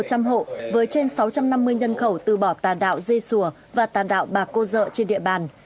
công an sáu trăm năm mươi nhân khẩu từ bỏ tàn đạo dê sùa và tàn đạo bà cô dợ trên địa bàn